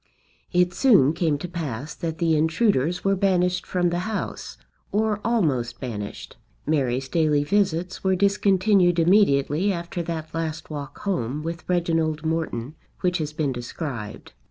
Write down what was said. It soon came to pass that the intruders were banished from the house, or almost banished. Mary's daily visits were discontinued immediately after that last walk home with Reginald Morton which has been described.